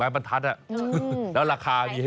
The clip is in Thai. อ้าวเรียกได้ว่ามันพอกับ๑ไม้บรรทัดอ่ะ